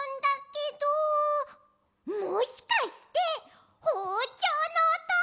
もしかしてほうちょうのおと？